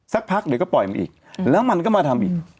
สักพักเดี๋ยวก็ปล่อยมันอีกแล้วมันก็มาทำอีก